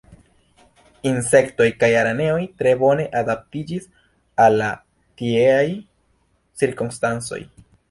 Insektoj kaj araneoj tre bone adaptiĝis al la tieaj cirkonstancoj.